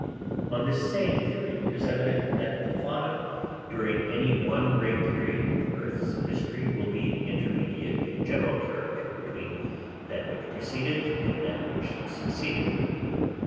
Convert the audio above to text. On this same theory, it is evident that the fauna during any one great period in the earth's history will be intermediate in general character between that which preceded and that which succeeded it.